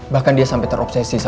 bahkan dia sampai terobsesi sama elsa